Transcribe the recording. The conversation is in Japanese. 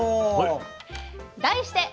題して。